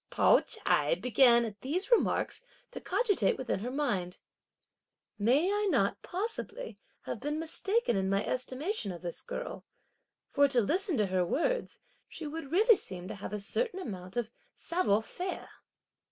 Pao ch'ai began, at these remarks, to cogitate within her mind: "May I not, possibly, have been mistaken in my estimation of this girl; for to listen to her words, she would really seem to have a certain amount of savoir faire!"